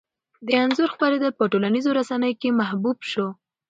د انځور خپرېدل په ټولنیزو رسنیو کې محبوب شو.